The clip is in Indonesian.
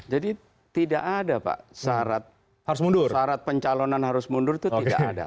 jadi tidak ada pak syarat pencalonan harus mundur itu tidak ada